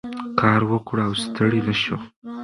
کار وکړو او ستړي نه شو.